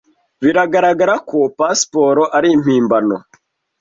Biragaragara ko pasiporo ari impimbano.